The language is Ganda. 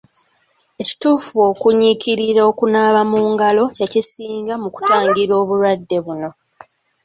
Ekituufu okunyiikirira okunaaba mu ngalo kye kisinga mu kutangira obulwadde buno.